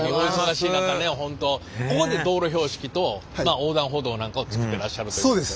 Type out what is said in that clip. ここで道路標識と横断歩道なんかを作ってらっしゃるということで。